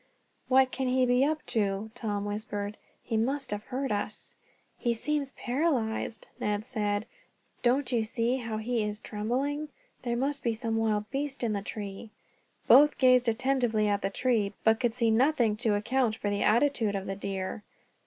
"What can he be up to?" Tom whispered. "He must have heard us." "He seems paralyzed," Ned said. "Don't you see how he is trembling? There must be some wild beast in the tree." Both gazed attentively at the tree, but could see nothing to account for the attitude of the deer.